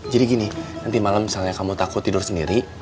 jadi gini nanti malam misalnya kamu takut tidur sendiri